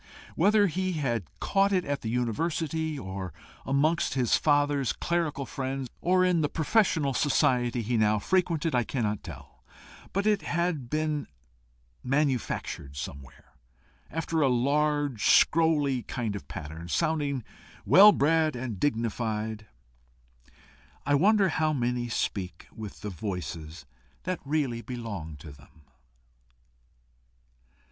Whether he had caught it at the university, or amongst his father's clerical friends, or in the professional society he now frequented, I cannot tell, but it had been manufactured somewhere after a large, scrolly kind of pattern, sounding well bred and dignified. I wonder how many speak with the voices that really belong to them.